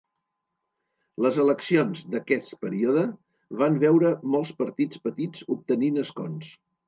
Les eleccions d'aquest període van veure molts partits petits obtenint escons.